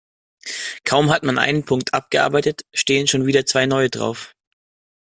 Kaum hat man einen Punkt abgearbeitet, stehen schon wieder zwei neue drauf.